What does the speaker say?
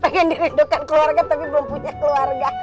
pengen dirindukan keluarga tapi belum punya keluarga